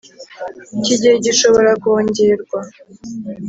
Iki gihe gishobora kongerwa